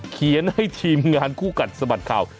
เขียนให้ทีมงานคู่กัดสะบัดข่าว